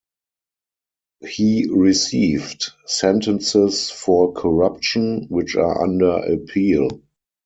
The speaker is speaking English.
He received sentences for corruption, which are under appeal.